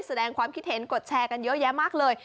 แสดงความคิดเห็นกดแชร์กันเยอะแยะมากเลย